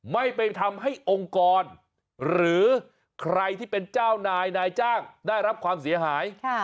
ไม่ไปทำให้องค์กรหรือใครที่เป็นเจ้านายนายจ้างได้รับความเสียหาย